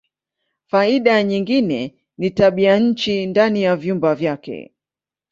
Faida nyingine ni tabianchi ndani ya vyumba vyake.